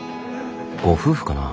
ご夫婦かな？